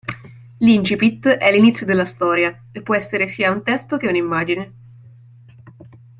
L'incipit è l'inizio della storia e può essere sia un testo, che un'immagine.